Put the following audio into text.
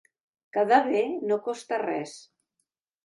Quedar bé no costa res.